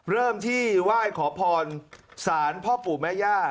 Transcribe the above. เริ่มที่ไหว้ขอพรศาลพ่อปู่แม่ย่า